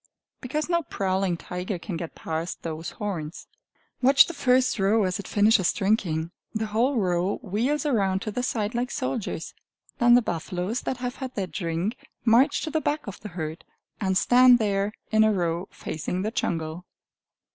Because no prowling tiger can get past those horns. Watch the first row as it finishes drinking; the whole row wheels around to the side like soldiers. Then the buffaloes that have had their drink march to the back of the herd, and stand there in a row facing the jungle.